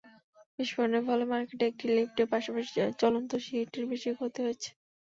বিস্ফোরণের ফলে মার্কেটের একটি লিফটের পাশাপাশি চলন্ত সিঁড়িটির বেশি ক্ষতি হয়েছে।